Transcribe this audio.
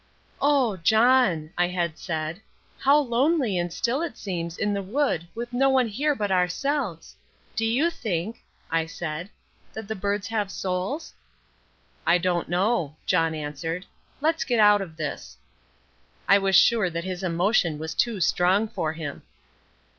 "Oh, John," I had said, "how lonely and still it seems in the wood with no one here but ourselves! Do you think," I said, "that the birds have souls?" "I don't know," John answered, "let's get out of this." I was sure that his emotion was too strong for him.